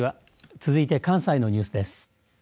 続いて関西のニュースです。